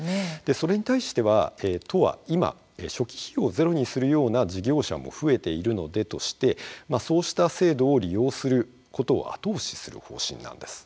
それに対しては、都は今、初期費用をゼロにするような事業者も増えているのでとしてそうした制度を利用することを後押しする方針なんです。